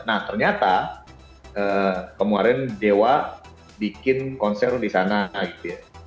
nah ternyata kemarin dewa bikin konser di sana gitu ya